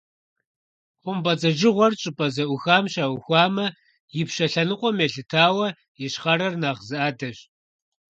ХъумпӀэцӀэджыгъуэр щӀыпӀэ зэӀухам щаухуамэ, ипщэ лъэныкъуэм елъытауэ ищхъэрэр нэхъ задэщ.